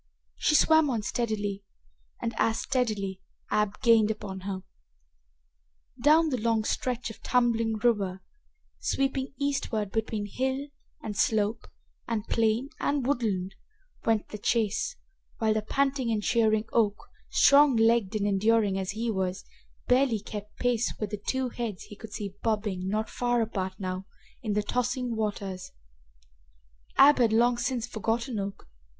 She swam on steadily, and, as steadily, Ab gained upon her. Down the long stretch of tumbling river, sweeping eastward between hill and slope and plain and woodland, went the chase, while the panting and cheering Oak, strong legged and enduring as he was, barely kept pace with the two heads he could see bobbing, not far apart now, in the tossing waters. Ab had long since forgotten Oak.